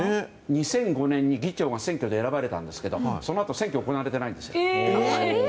２００５年に議長が選挙で選ばれたんですけれどそのあと選挙が行われていないんです。